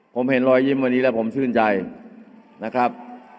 ผมเห็นรอยยิ้มวันนี้แล้วผมชื่นใจนะครับ